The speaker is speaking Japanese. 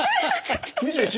２１？